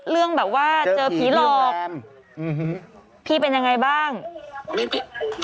เรื่องแบบว่าเจอผีหลอบพี่เป็นอย่างไรบ้างอื้อฮือ